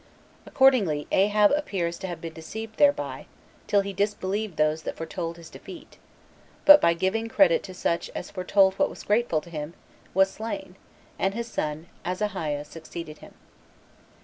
Accordingly Ahab appears to have been deceived thereby, till he disbelieved those that foretold his defeat; but, by giving credit to such as foretold what was grateful to him, was slain; and his son Ahaziah succeeded him.